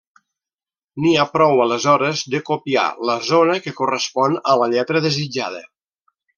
N'hi ha prou aleshores de copiar la zona que correspon a la lletra desitjada.